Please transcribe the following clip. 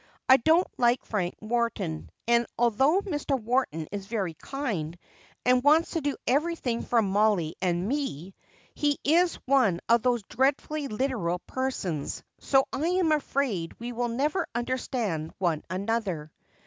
I don't like Frank Wharton and though Mr. Wharton is very kind and wants to do everything for Mollie and me, he is one of those dreadfully literal persons, so I am afraid we never will understand one another."